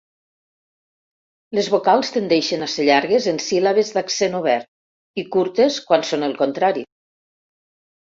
Les vocals tendeixen a ser llargues en síl·labes d'accent obert i curtes quan són el contrari.